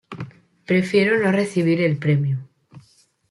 Prefiero no recibir el premio".